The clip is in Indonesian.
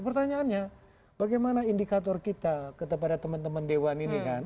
pertanyaannya bagaimana indikator kita kepada teman teman dewan ini kan